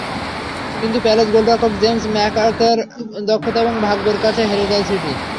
কিন্তু প্যালেস গোলরক্ষক জেমস ম্যাকআর্থারের দক্ষতা এবং ভাগ্যের কাছে হেরে যায় সিটি।